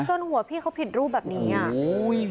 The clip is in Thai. จนหัวพี่เขาผิดรูปแบบนี้อ่ะ